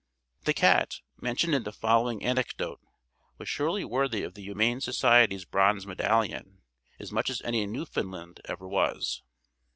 The cat, mentioned in the following anecdote, was surely worthy of the Humane Society's bronze medallion, as much as any Newfoundland ever was.